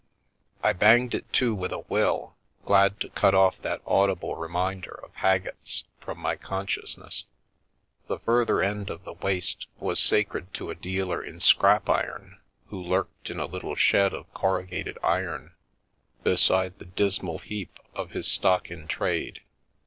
I banged it to with a will, glad tc cut off that audible reminder of Haggett's from my con sciousness. The further end of the waste was sacrec to a dealer in scrap iron, who lurked in a little shed ol corrugated iron beside the dismal heap of his stock in trade.